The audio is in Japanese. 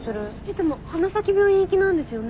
でも花咲病院行きなんですよね？